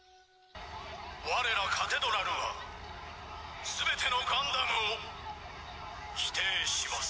我らカテドラルは全てのガンダムを否定します。